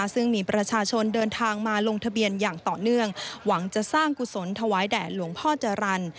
ซึ่งมีประชาชนเดินทางมาลงทะเบียนอย่างต่อเนื่องหวังจะสร้างกุศลถวายแด่หลวงพ่อจรรย์